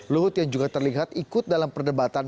luhut yang juga terlihat ikut dalam perdebatan